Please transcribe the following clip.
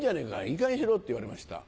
いいかげんにしろ！」って言われました。